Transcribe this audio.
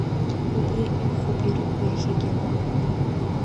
Убри ихәоуп ирықәу иахьагьы.